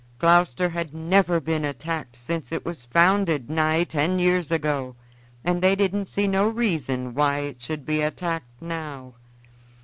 Gloucester had never been attacked since it was founded nigh ten years ago, and they didn't see no reason why it should be attacked now.